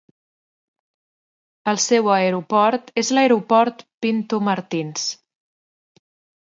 El seu aeroport és l'Aeroport Pinto Martins.